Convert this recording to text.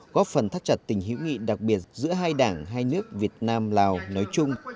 góp phần thắt chặt tình hữu nghị đặc biệt giữa hai đảng hai nước việt nam lào nói chung